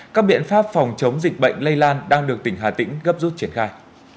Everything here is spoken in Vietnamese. các biện pháp phòng chống dịch bệnh lây lan đang được tỉnh hà tĩnh gấp rút triển khai